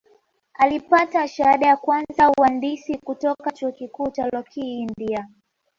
Alipata shahada ya kwanza uhandisi kutoka Chuo Kikuu cha Rokii India